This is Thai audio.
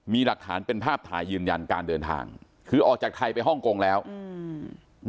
มีหลักฐานเป็นภาพถ่ายยืนยันการเดินทางคือออกจากไทยไปฮ่องกงแล้วอืม